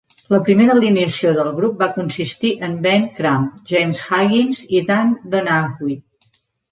La primera alineació del grup va consistir en Ben Crum, James Huggins i Dan Donahue.